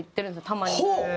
たまに。